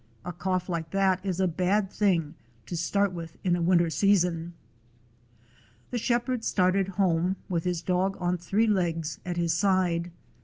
A cough like that is a bad thing to start with in a winter season." The shepherd started home, with the dog on three legs at his side.